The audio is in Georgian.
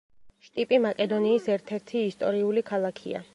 შტიპი მაკედონიის ერთ-ერთი ისტორიული ქალაქია.